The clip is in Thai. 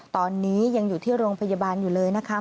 ตอนนี้ยังอยู่ที่โรงพยาบาลอยู่เลยนะคะ